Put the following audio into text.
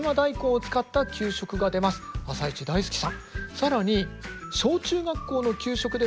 更に。